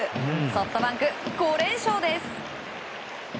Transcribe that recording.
ソフトバンク、５連勝です。